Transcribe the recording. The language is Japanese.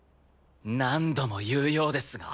何度も言うようですが。